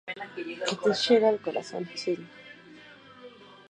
Oliveira nació en São Paulo.